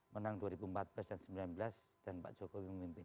pada tahun dua ribu empat belas dan dua ribu sembilan belas dan pak jokowi memimpin